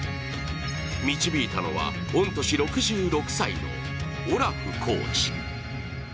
導いたのは御年６６歳のオラフコーチ。